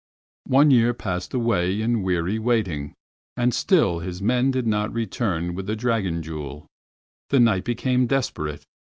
One year passed away in weary waiting, and still his men did not return with the dragon jewel. The Knight became desperate.